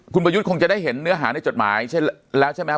คุณประยุทธ์คงจะได้เห็นเนื้อหาในจดหมายแล้วใช่ไหมครับ